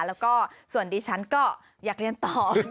แล้วก็ส่วนดิฉันก็อยากเรียนต่อ